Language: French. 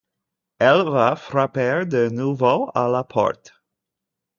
Elle va frapper de nouveau à la porte.